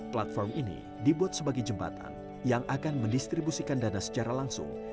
platform ini dibuat sebagai jembatan yang akan mendistribusikan dana secara langsung